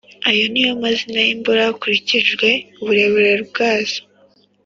ayo n i amazina y ' i m boro hakur ik i j w e uburebu re bwazo